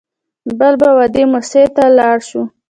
بل به وادي موسی ته لاړ شو.